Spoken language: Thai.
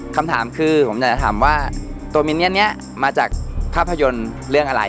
คำถามคือผมอยากจะถามว่าตัวมิเนียนนี้มาจากภาพยนตร์เรื่องอะไร